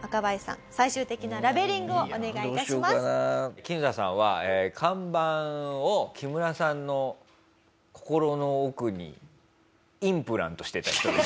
キヌタさんは看板を木村さんの心の奥にインプラントしてた人です。